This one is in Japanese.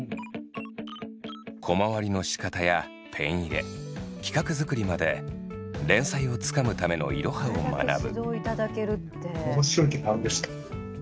コマ割りのしかたやペン入れ企画づくりまで連載をつかむためのイロハを学ぶ。